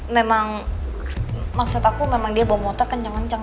memang maksud aku memang dia bawa motor kenceng kenceng